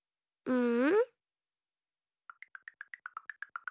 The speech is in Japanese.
うん。